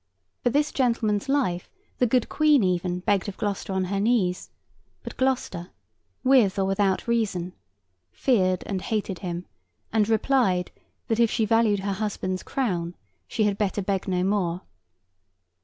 For this gentleman's life the good Queen even begged of Gloucester on her knees; but Gloucester (with or without reason) feared and hated him, and replied, that if she valued her husband's crown, she had better beg no more.